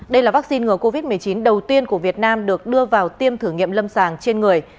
đây là vaccine ngừa covid một mươi chín đầu tiên của việt nam được đưa vào tiêm thử nghiệm lâm sàng trên người